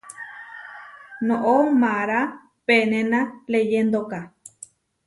Noʼó mará penéna leyéndoka.